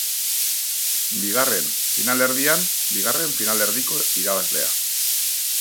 Bigarren finalerdian, bigarren finalerdiko irabazlea.